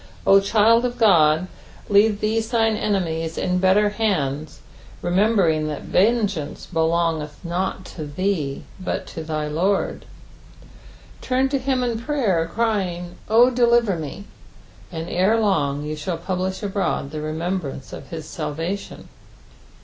O child of God, leave these thine PSALM THE VOBTY THIBD. 3'Z5 1 better haads, remcmberiDg that vengeance beloQgeth not to thee, but to thy Lord. Turn to him in prayer, ciring, " O deliver me," and ere long you Bball publish abroad the remembranco of bis talvation.